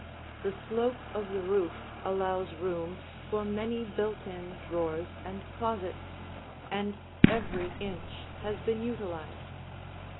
The slope of the roof allows room for many built in drawers and closets, and every inch has been utilized.